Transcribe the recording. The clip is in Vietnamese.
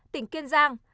tỉnh kiên giang